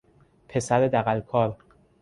پسر دغلکار